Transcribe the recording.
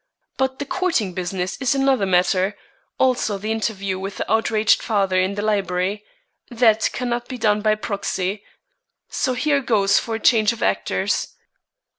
But the courting business is another matter; also the interview with the outraged father in the library. That cannot be done by proxy; so here goes for a change of actors."